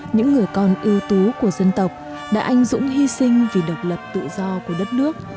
những người con ưu tú của dân tộc đã anh dũng hy sinh vì độc lập tự do của đất nước